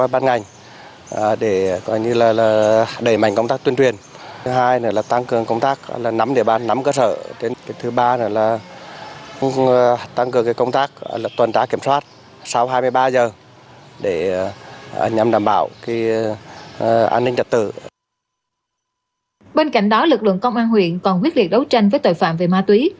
bên cạnh đó lực lượng công an huyện còn quyết liệt đấu tranh với tội phạm về ma túy